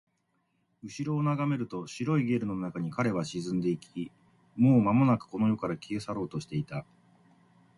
後ろを眺めると、白いゲルの中に彼は沈んでいき、もうまもなくこの世から消え去ろうとしていた